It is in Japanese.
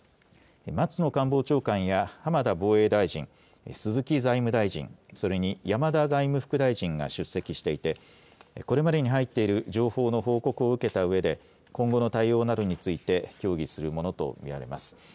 松野官房長官や浜田防衛大臣、鈴木財務大臣、それに山田外務副大臣が出席していてこれまでに入っている情報の報告を受けたうえで今後の対応などについて協議するものと見られます。